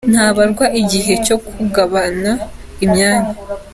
ntabarwa igihe cyo kugabana imyanya.